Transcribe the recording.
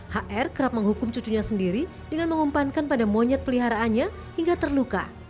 hr kerap menghukum cucunya sendiri dengan mengumpankan pada monyet peliharaannya hingga terluka